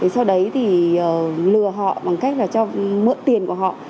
sau đấy thì lừa họ bằng cách là cho mượn tiền của họ